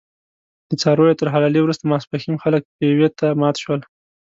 د څارویو تر حلالې وروسته ماسپښین خلک پېوې ته مات شول.